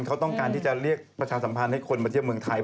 เขาต้องการที่จะเรียกประชาสัมพันธ์ให้คนมาเที่ยวเมืองไทย